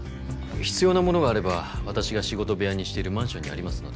必要なものがあれば私が仕事部屋にしているマンションにありますので。